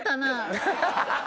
ハハハハ！